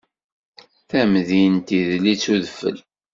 Tamdint idel-itt udfel.